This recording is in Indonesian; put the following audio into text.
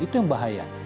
itu yang bahaya